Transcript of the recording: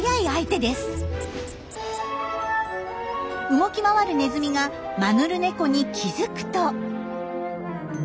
動き回るネズミがマヌルネコに気付くと。